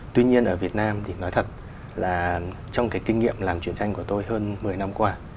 tuy nhiên ở việt nam thì nói thật là trong cái kinh nghiệm làm chiến tranh của tôi hơn một mươi năm qua